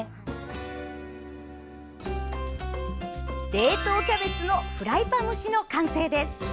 冷凍キャベツのフライパン蒸しの完成です。